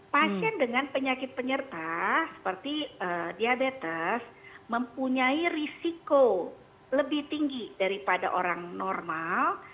pasien dengan penyakit penyerta seperti diabetes mempunyai risiko lebih tinggi daripada orang normal